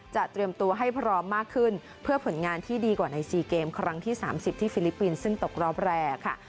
เตรียมตัวให้พร้อมมากขึ้นเพื่อผลงานที่ดีกว่าใน๔เกมครั้งที่๓๐ที่ฟิลิปปินส์ซึ่งตกรอบแรกค่ะ